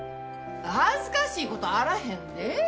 恥ずかしい事あらへんで。